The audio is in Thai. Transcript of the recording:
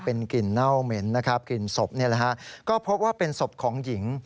เป็นกลิ่นเน่าเหม็นนะครับกลิ่นศพนี่แหละฮะก็พบว่าเป็นศพของหญิง